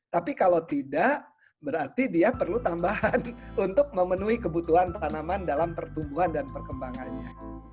tapi kalau tidak berarti dia perlu tambahan untuk memenuhi kebutuhan tanaman dalam pertumbuhan dan perkembangannya